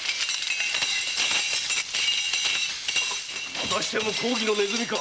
またしても公儀のネズミか？